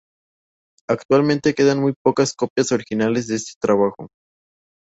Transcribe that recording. Actualmente quedan muy pocas copias originales de este trabajo.